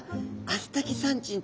アスタキサンチン。